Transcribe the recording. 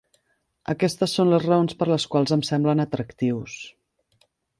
Aquestes són les raons per les quals em semblen atractius.